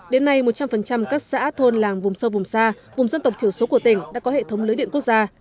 đến nay một trăm linh các xã thôn làng vùng sâu vùng xa vùng dân tộc thiểu số của tỉnh đã có hệ thống lưới điện quốc gia